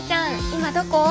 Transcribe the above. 今どこ？